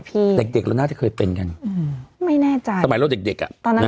เด็กเด็กเราน่าจะเคยเป็นกันอืมไม่แน่ใจสมัยเราเด็กเด็กอ่ะตอนนั้น